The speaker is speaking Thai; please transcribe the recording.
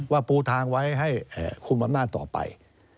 ว่าปูทางไว้ให้ควบสำนาจต่อไป